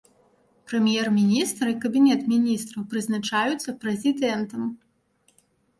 Прэм'ер-міністр і кабінет міністраў прызначаюцца прэзідэнтам.